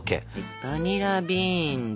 バニラビーンズ。